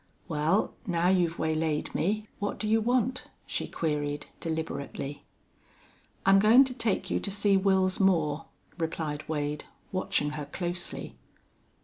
"Well, now you've waylaid me, what do you want?" she queried, deliberately. "I'm goin' to take you to see Wils Moore," replied Wade, watching her closely.